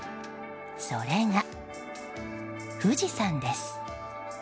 それが、富士山です。